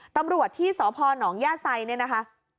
ตำรวจที่สพนย่าไซเนี่ยนะคะ